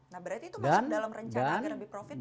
nah berarti itu masuk dalam rencana agar lebih profit